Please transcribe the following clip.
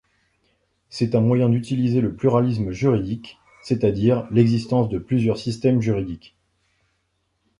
C'est un moyen d'utiliser le pluralisme juridique, c'est-à-dire l'existence de plusieurs systèmes juridiques.